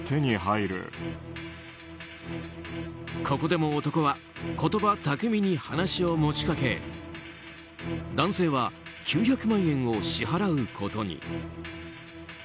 ここでも男は言葉巧みに話を持ち掛け男性は９００万円を支払うことに。